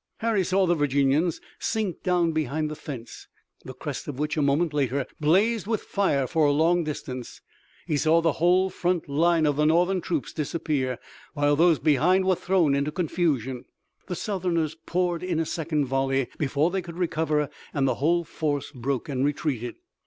Harry saw the Virginians sink down behind the fence, the crest of which a moment later blazed with fire for a long distance. He saw the whole front line of the Northern troops disappear, while those behind were thrown into confusion. The Southerners poured in a second volley before they could recover and the whole force broke and retreated.